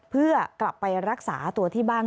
เพื่อกลับไปรักษาตัวที่บ้าน